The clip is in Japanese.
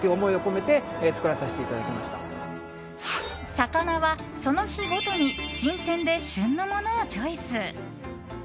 魚はその日ごとに新鮮で旬のものをチョイス。